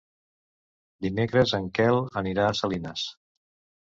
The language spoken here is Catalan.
Dimecres en Quel anirà a Salines.